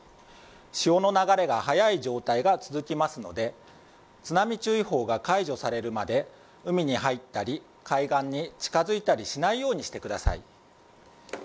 潮の流れが速い状態が続きますので津波注意報が解除されるまで海に入ったり海岸に近づいたりしないようにしてください。